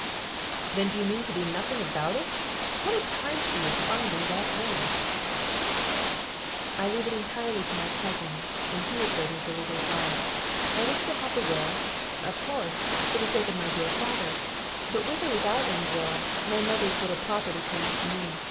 "Then do you mean to do nothing about it? What a time she is finding that hammer!" "I leave it entirely to my cousin, and he is waiting for legal advice. I wish to have the will, of course, for the sake of my dear father; but with or without any will, my mother's little property comes to me.